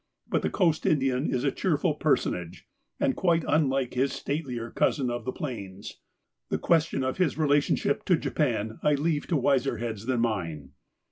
But the coast Indian is a cheerful personage, and quite unlike his statelier cousin of the plains. The question of his relationship to Japan I leave to wiser heads than mine.